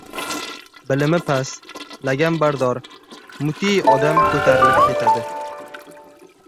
bilimi past, laganbardor, mute odam ko‘tarilib ketadi.